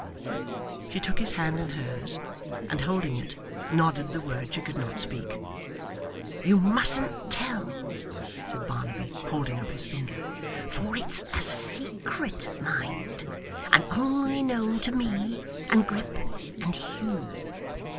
She took his hand in hers, and holding it, nodded the word she could not speak. 'You mustn't tell,' said Barnaby, holding up his finger, 'for it's a secret, mind, and only known to me, and Grip, and Hugh.